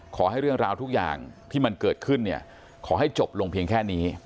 ขอให้เรื่องราวทุกอย่างที่มันเกิดขึ้นเนี่ยขอให้จบลงเพียงแค่นี้